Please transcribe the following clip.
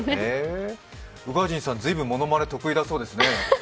宇賀神さん、随分、ものまね得意だそうですね。